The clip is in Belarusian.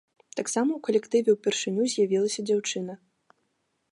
Таксама ў калектыве ўпершыню з'явілася дзяўчына.